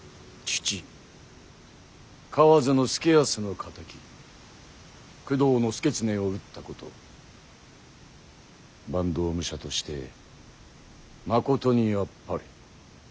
父河津祐泰の敵工藤祐経を討ったこと坂東武者としてまことにあっぱれ。